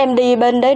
em đi bên đấy